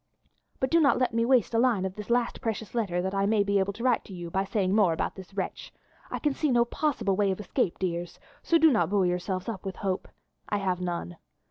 "But do not let me waste a line of this last precious letter that I may be able to write to you by saying more about this wretch. I can see no possible way of escape, dears, so do not buoy yourselves up with hope. I have none.